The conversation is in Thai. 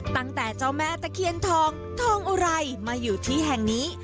ตั้งแต่เจ้าแม่ตะเคียนทองทองอุไรมาอยู่ที่แห่งนี้